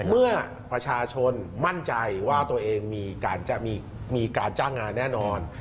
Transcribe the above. เมื่อประชาชนมั่นใจว่าตัวเองจะมีการจ้างงานแน่นอน